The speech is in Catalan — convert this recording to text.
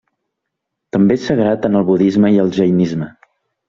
També és sagrat en el Budisme i Jainisme.